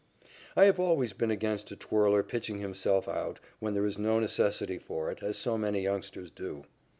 I have always been against a twirler pitching himself out, when there is no necessity for it, as so many youngsters do.